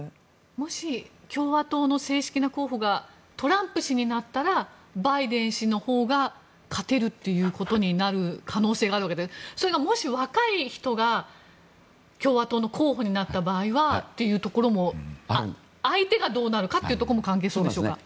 もし共和党の正式な候補がトランプ氏になったらバイデン氏のほうが勝てるということになる可能性があるわけでそれがもし、若い人が共和党の候補になった場合はというところも相手がどうなるかというところも関係するんでしょうか？